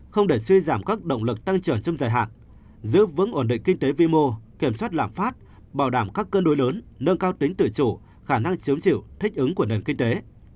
không để suy giảm các động lực tăng trưởng trong dài hạn giữ vững ổn định kinh tế vi mô kiểm soát lạm phát bảo đảm các cân đối lớn nâng cao tính tự chủ khả năng chiếm chịu thích ứng của nền kinh tế